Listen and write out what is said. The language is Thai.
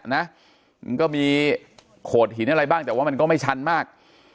มันก็มีโขดหินอะไรบ้างแต่ว่ามันก็ไม่ชันมาก